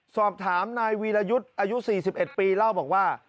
สอบถามนายวีรยุทธ์อายุ๔๑ปีเล่าบอกว่า